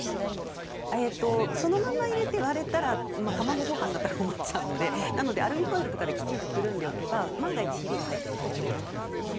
そのまま入れて割れて卵ご飯になったら困るのでなのでアルミホイルとかでくるんでおけば万が一、ひびが入っても大丈夫です。